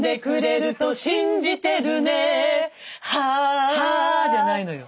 「は」じゃないのよ。